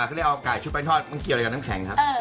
เขาเรียกเอาไก่ชุบไปทอดมันเกี่ยวอะไรกับน้ำแข็งครับ